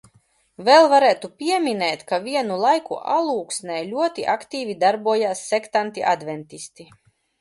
Vēl varētu pieminēt, ka vienu laiku Alūksnē ļoti aktīvi darbojās sektanti adventisti.